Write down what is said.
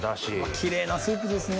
キレイなスープですね。